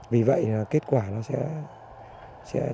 vì vậy kết quả nó sẽ